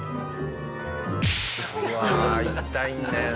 うわ痛いんだよね。